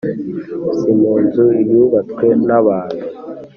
si mu nzu y’ubatswe n’abantu